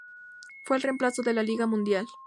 Fue el reemplazo de la Liga Mundial.